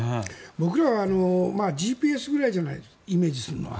僕らはＧＰＳぐらいじゃないですか、イメージするのは。